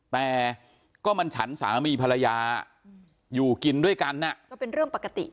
แต่ก็มันฉันสามีภรรยาอยู่กินด้วยกันก็เป็นเรื่องปกติ